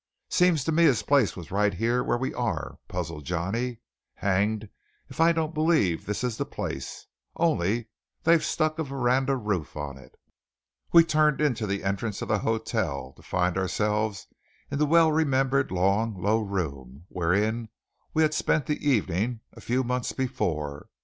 "Seems to me his place was right here where we are," puzzled Johnny. "Hanged if I don't believe this is the place; only they've stuck a veranda roof on it." We turned into the entrance of the hotel, to find ourselves in the well remembered long, low room wherein we had spent the evening a few months before.